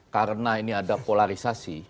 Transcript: karena ini ada polarisasi